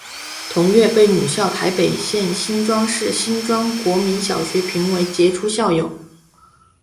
同月被母校台北县新庄市新庄国民小学评为杰出校友。